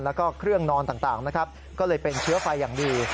แล้วก็เครื่องนอนต่างนะครับก็เลยเป็นเชื้อไฟอย่างดี